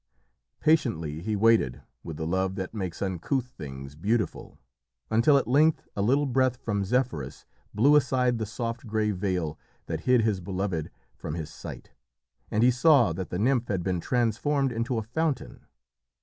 Patiently he waited, with the love that makes uncouth things beautiful, until at length a little breath from Zephyrus blew aside the soft grey veil that hid his beloved from his sight, and he saw that the nymph had been transformed into a fountain.